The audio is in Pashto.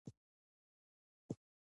د مېلو د تنظیم له پاره مشران جرګه کوي.